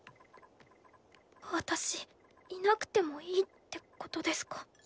私いなくてもいいってことですか？